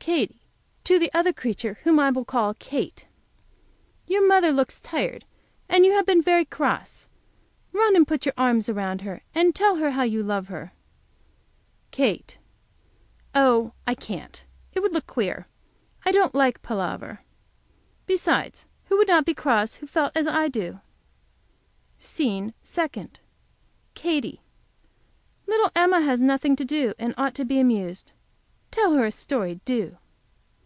Katy, to the other creature, whom I will call Kate. Your mother looks tired, and you have been very cross. Run and put your arms around her, and tell her how you love her. Kate. Oh, I can't; it would look queer. I don't like palaver. Besides, who would not be cross who felt as I do? SCENE SECOND. Katy. Little Emma has nothing to do, and ought to be amused. Tell her a story, do.